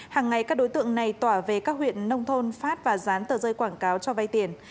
hàng ngày các đối tượng này tỏa về các huyện nông thôn phát và dán tờ rơi quảng cáo cho vay tiền